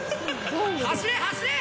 走れ！走れ！